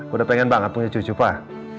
udah pengen banget punya cucu pak